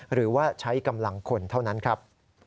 หรือว่าใช้กำลังคนเท่านั้นครับ